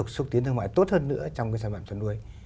xúc tiến thương mại tốt hơn nữa trong cái sản phẩm chăn nuôi